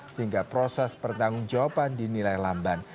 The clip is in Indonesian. sehingga proses pertanggung jawaban dinilai lamban